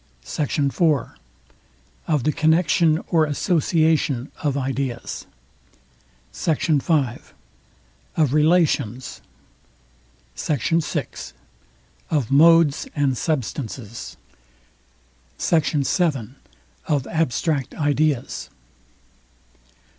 SECT. IV. OF THE CONNECTION OR ASSOCIATION OF IDEAS. SECT. V. OF RELATIONS. SECT. VI. OF MODES AND SUBSTANCES SECT. VII. OF ABSTRACT IDEAS.